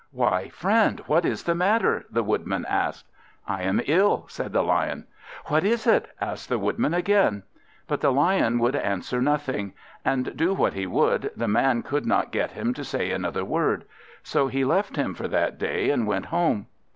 "Why, friend, what is the matter?" the Woodman asked. "I am ill," said the Lion. "What is it?" asked the Woodman again. But the Lion would answer nothing; and do what he would, the man could not get him to say another word. So he left him for that day, and went home.